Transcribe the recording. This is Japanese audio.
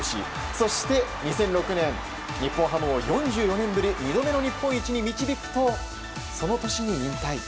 そして、２００６年日本ハムを４４年ぶり２度目の日本一に導くとその年に引退。